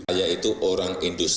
saya itu orang industri